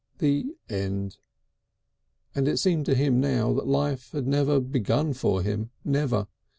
The end! And it seemed to him now that life had never begun for him, never!